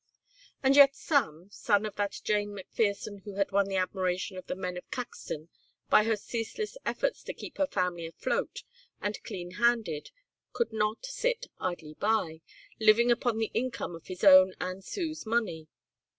And yet Sam, son of that Jane McPherson who had won the admiration of the men of Caxton by her ceaseless efforts to keep her family afloat and clean handed, could not sit idly by, living upon the income of his own and Sue's money.